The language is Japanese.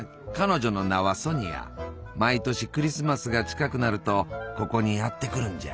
毎年クリスマスが近くなるとここにやって来るんじゃ。